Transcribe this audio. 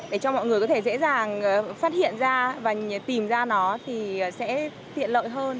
để cho mọi người có thể dễ dàng phát hiện ra và tìm ra nó thì sẽ tiện lợi hơn